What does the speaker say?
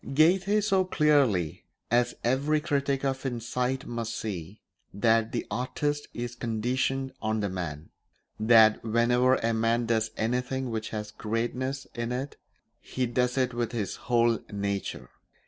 Goethe saw clearly, as every critic of insight must see, that the artist is conditioned on the man; that whenever a man does anything which has greatness in it he does it with his whole nature.